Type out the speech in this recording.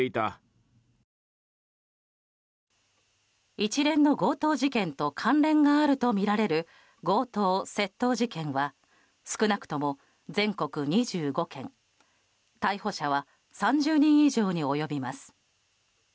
一連の強盗事件と関連があるとみられる強盗・窃盗事件は少なくとも全国２５件逮捕者は３０人以上に及びます。